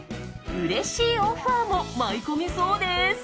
うれしいオファーも舞い込みそうです。